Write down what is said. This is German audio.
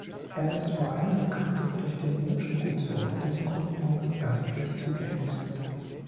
Er ist vor allem bekannt durch den Römischen Gutshof, dessen Grundmauern öffentlich zugänglich sind.